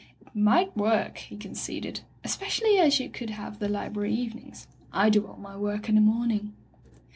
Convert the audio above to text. "It might work," he conceded, "espe cially as you could have the library evenings. I do all my work in the morning."